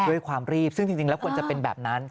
ด้วยความรีบซึ่งจริงแล้วควรจะเป็นแบบนั้น